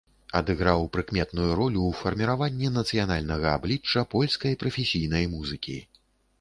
Адыграў прыкметную ролю ў фарміраванні нацыянальнага аблічча польскай прафесійнай музыкі.